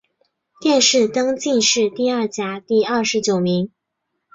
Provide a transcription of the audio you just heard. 殿试登进士第二甲第二十九名。